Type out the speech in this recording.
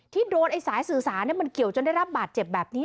ที่โดนไอ้สายสื่อสารมันเกี่ยวจนได้รับบาดเจ็บแบบนี้